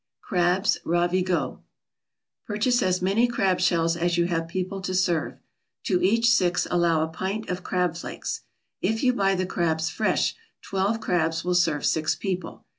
CRABS RAVIGOT Purchase as many crab shells as you have people to serve. To each six allow a pint of crab flakes. If you buy the crabs fresh, twelve crabs will serve six people.